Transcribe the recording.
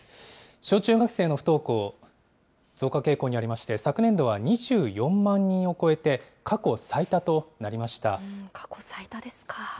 小中学生の不登校、増加傾向にありまして、昨年度は２４万人を超えて、過去最多ですか。